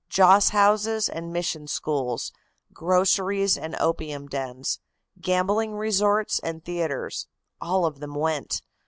Joss houses and mission schools, groceries and opium dens, gambling resorts and theatres, all of them went.